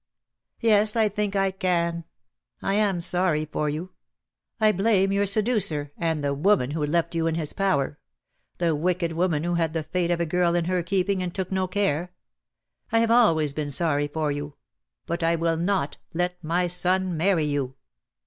"Yes, I think I can. I am sorry for you. I blame your seducer, and the woman who left you in his power; the wicked woman who had the fate of a girl in her keeping, and took no care. I have always been sorry for you — but I will not let my son marry you."